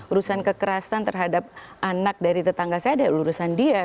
urusan kekerasan terhadap anak dari tetangga saya adalah urusan dia